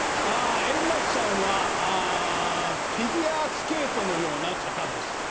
円楽さんはフィギュアスケートのような方です。